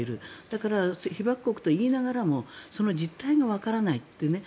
だから、被爆国といいながらもその実態が分からないというね。